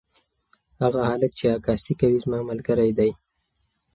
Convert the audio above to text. هغه هلک چې عکاسي کوي زما ملګری دی.